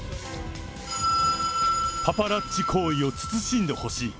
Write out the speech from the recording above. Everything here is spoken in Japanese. パパラッチ行為を慎んでほしい。